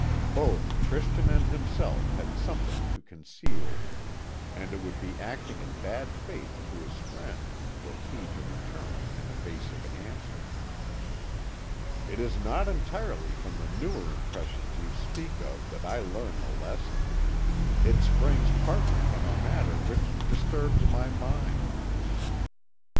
Both Christian and himself had something to conceal, and it would be acting in bad faith to his friend were he to return an evasive answer. "It is not entirely from the newer impressions you speak of that I learn the lesson. It springs partly from a matter which disturbs my mind."